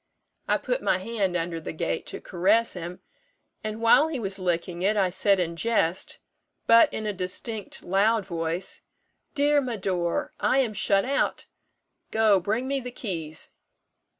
I put my hand under the gate to caress him; and while he was licking it, I said in jest, but in a distinct, loud voice, 'Dear Médor, I am shut out go, bring me the keys.'